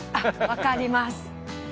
「わかります」